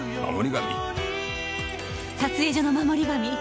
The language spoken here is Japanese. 撮影所の守り神。